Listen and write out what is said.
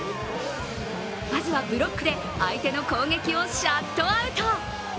まずはブロックで相手の攻撃をシャットアウト。